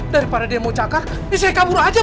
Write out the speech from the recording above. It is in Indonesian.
daripada dia mau cakar ini saya kabur aja pak rt